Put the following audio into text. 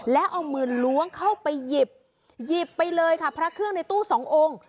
แล้วเอามือล้วงเข้าไปหยิบหยิบไปเลยค่ะพระเครื่องในตู้สององค์